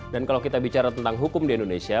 dan kalau kita bicara tentang hukum di indonesia